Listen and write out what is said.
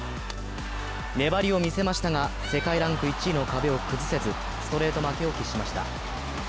粘りを見せましたが世界ランク１位の壁を崩せずストレート負けを喫しました。